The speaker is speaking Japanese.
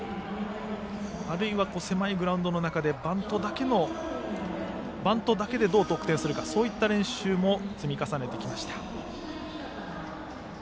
あるいは狭いグラウンドの中でバントだけで、どう得点するかそういった練習も積み重ねてきました。